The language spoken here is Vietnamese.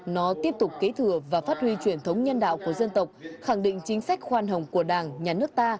nó tiếp tục kế thừa và phát huy truyền thống nhân đạo của dân tộc khẳng định chính sách khoan hồng của đảng nhà nước ta